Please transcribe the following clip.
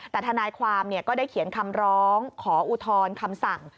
แต่ทนายความก็ได้เขียนคำร้องขออุทธรณ์คำสั่ง